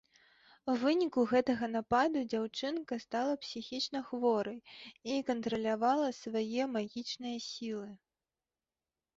У выніку гэтага нападу дзяўчынка стала псіхічнахворай і кантралявала сваё магічныя сілы.